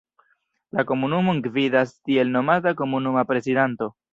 La komunumon gvidas tiel nomata komunuma prezidanto.